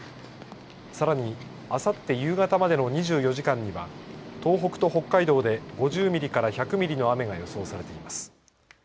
さらにあさって夕方までの２４時間には東北と北海道で５０ミリから１００ミリの雨が予想されています。